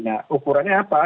nah ukurannya apa